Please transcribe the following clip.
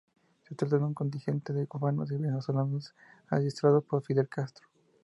Se trataba de un contingente de cubanos y venezolanos adiestrados por Fidel Castro.